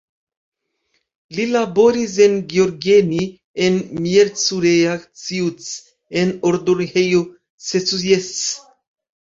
Li laboris en Gheorgheni, en Miercurea Ciuc, en Odorheiu Secuiesc.